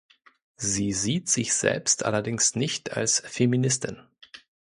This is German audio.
Sie sieht sich selbst allerdings nicht als Feministin.